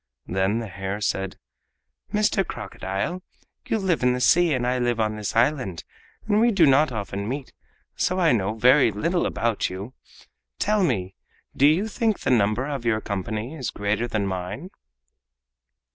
Then the hare said: "Mr. Crocodile, you live in the sea and I live on this island, and we do not often meet, so I know very little about you. Tell me, do you think the number of your company is greater than mine?"